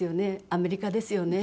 アメリカですよね。